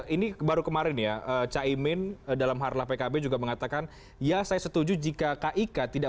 ini baru kemarin ya caimin dalam harlah pkb juga mengatakan ya saya setuju jika kik tidak